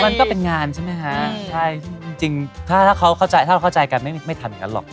มันก็เป็นงานใช่ไหมฮะจริงถ้าเขาเข้าใจกันไม่ทันกันหรอก